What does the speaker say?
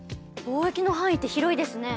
貿易の範囲って広いですね。